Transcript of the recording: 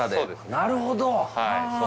なるほど。